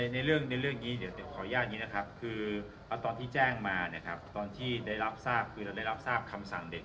ในเรื่องนี้เดี๋ยวขออนุญาตนี้นะครับคือตอนที่แจ้งมานะครับตอนที่ได้รับทราบคือเราได้รับทราบคำสั่งเด็ก